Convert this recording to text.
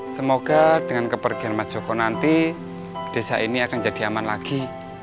semoga dengan kepergian mas joko nanti desa ini akan jadi aman lagi